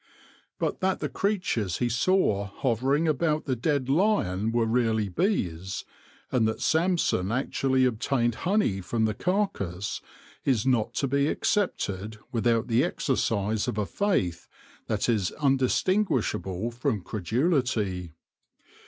But that the creatures he saw hovering about the dead lion were really bees, and that Samson actually obtained honey from the carcass, is not to be accepted without the exercise of a faith that is undistinguishable from credulity.